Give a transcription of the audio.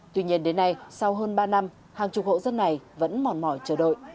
tuy nhiên đến nay sau hơn ba năm hàng chục hộ dân này vẫn mòn mỏi chờ đợi